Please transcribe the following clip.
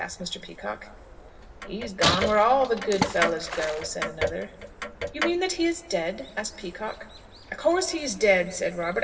asked Mr. Peacocke. "He's gone where all the good fellows go," said another. "You mean that he is dead?" asked Peacocke. "Of course he's dead," said Robert.